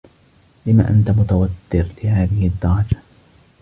لم أنت متوتّر لهذه الدّرجة؟